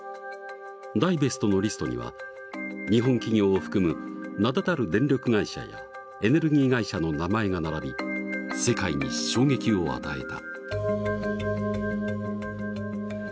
ダイベストのリストには日本企業を含む名だたる電力会社やエネルギー会社の名前が並び世界に衝撃を与えた。